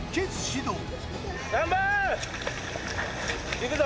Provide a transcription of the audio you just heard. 行くぞ！